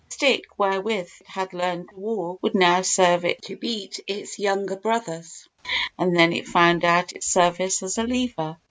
The stick wherewith it had learned to walk would now serve it to beat its younger brothers and then it found out its service as a lever.